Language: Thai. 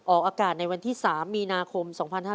ออกอากาศในวันที่๓มีนาคม๒๕๕๙